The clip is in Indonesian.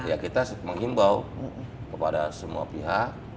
ya kita menghimbau kepada semua pihak